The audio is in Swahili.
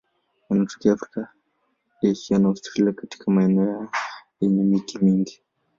Wanatokea Afrika, Asia na Australia katika maeneo yenye miti mingi.